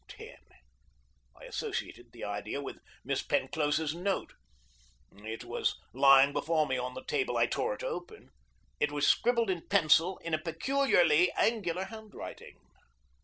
Ten! I associated the idea with Miss Penclosa's note. It was lying before me on the table, and I tore it open. It was scribbled in pencil in a peculiarly angular handwriting.